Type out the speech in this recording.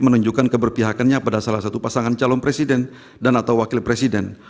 menunjukkan keberpihakannya pada salah satu pasangan calon presiden dan atau wakil presiden